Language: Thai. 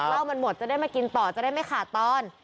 เหล้ามันหมดจะได้มากินต่อจะได้ไม่ขาดตอน